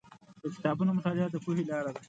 د کتابونو مطالعه د پوهې لاره ده.